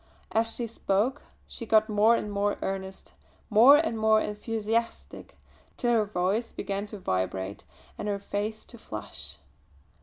As she spoke she got more and more earnest, more and more enthusiastic, till her voice began to vibrate and her face to flush.